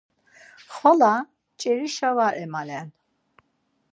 Xvala nç̌erişa var emalen.